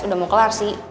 udah mau kelar sih